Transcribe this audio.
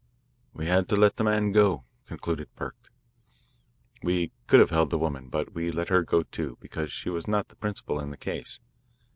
"We had to let the man go," concluded Burke. "We could have held the woman, but we let her go, too, because she was not the principal in the case.